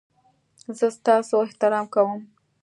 زه ستاسو احترام کوم